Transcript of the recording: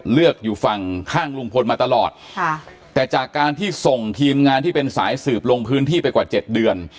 อยู่ฝั่งข้างลุงพลมาตลอดค่ะแต่จากการที่ส่งทีมงานที่เป็นสายสืบลงพื้นที่ไปกว่าเจ็ดเดือน